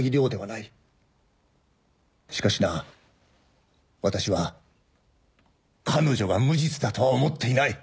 しかしな私は彼女が無実だとは思っていない！